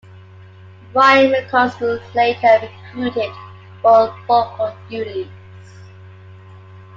Ryan McCombs was later recruited for vocal duties.